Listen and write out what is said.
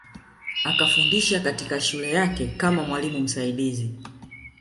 Akafundisha katika shule yake kama mwalimu msaidizi